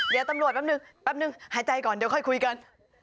เดี๋ยวตำรวจแป๊บนึงแป๊บนึงหายใจก่อนเดี๋ยวค่อยคุยกัน